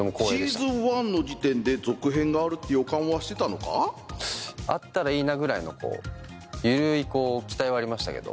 シーズン１の時点で続編があるって予感はしてたのか？ぐらいの緩い期待はありましたけど。